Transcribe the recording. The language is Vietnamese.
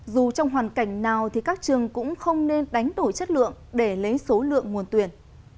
dù trong hoàn cảnh nào thì các trường cũng không nên đánh đổi chất lượng để lấy số lượng nguồn tuyển